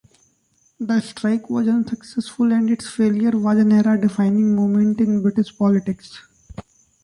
The strike was unsuccessful and its failure was an era-defining moment in British politics.